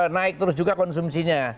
naik terus juga konsumsinya